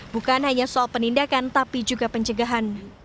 bukan hanya soal penindakan tapi juga pencegahan